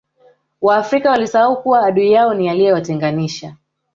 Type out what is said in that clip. waafrika walisahau kuwa adui yao ni aliyewatenganisha